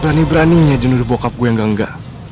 berani beraninya jenudah bokap gue yang gangga